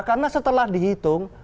karena setelah dihitung